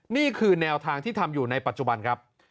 นี่คือแนวทางที่ทำอยู่ในปัจจุบันครับ